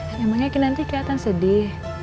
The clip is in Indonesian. emangnya kekin nanti kelihatan sedih